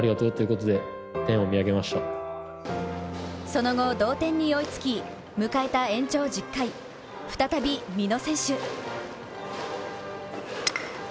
その後、同点に追いつき迎えた延長１０回、再び美濃選手。